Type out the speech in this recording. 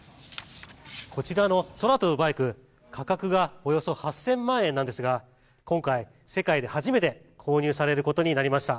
「こちらのホバーバイク価格がおよそ８０００万円なんですが世界で初めて購入されることになりました」